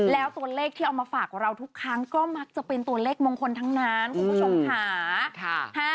แล้วตัวเลขที่เอามาฝากเราทุกครั้งก็มักจะเป็นตัวเลขมงคลทั้งนั้นคุณผู้ชมค่ะ